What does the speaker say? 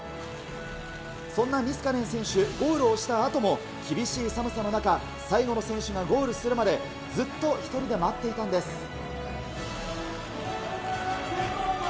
そんなニスカネン選手、ゴールをしたあとも、厳しい寒さの中、最後の選手がゴールするまで、ずっと１人で待っていたのです。